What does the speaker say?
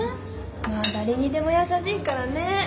まあ誰にでも優しいからね。